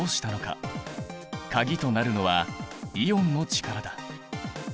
鍵となるのはイオンの力だ。